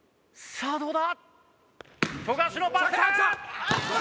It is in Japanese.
さあどうだ？